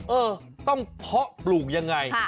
เออต้องเพาะปลูกยังไง